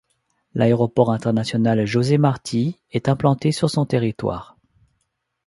L'aéroport international José-Martí est implanté sur son territoire.